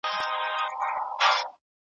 تاسو په پښتو ژبه لیکل کولای شئ؟